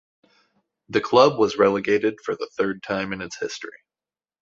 The club was relegated for the third time in its history.